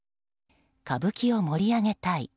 歌舞伎を盛り上げたい。